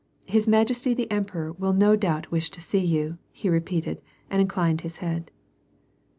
His majesty the emperor will no doubt wish to see you," he repeated, and inclined his head.